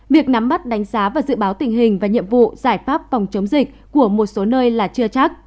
việc nắm bắt đánh giá và dự báo tình hình và nhiệm vụ giải pháp phòng chống dịch của một số nơi là chưa chắc